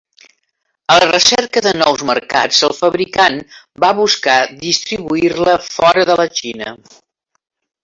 A la recerca de nous mercats, el fabricant va buscar distribuir-la fora de la Xina.